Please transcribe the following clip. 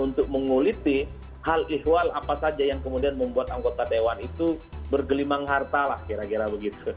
untuk menguliti hal ihwal apa saja yang kemudian membuat anggota dewan itu bergelimang harta lah kira kira begitu